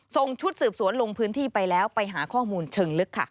ส่งชุดสืบสวนลงพื้นที่ไปแล้วไปหาข้อมูลเชิงลึกค่ะ